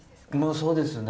そうですね。